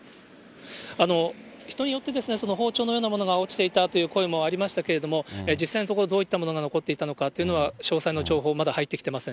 人によってですね、包丁のようなものが落ちていたという声もありましたけども、実際のところ、どういったものが残っていたのかというのは、詳細の情報、まだ入ってきていません。